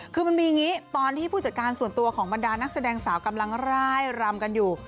คือมันมีอย่างนี้ตอนที่ผู้จัดการส่วนตัวของบรรดานักแสดงสาวกำลังร่ายรำกันอยู่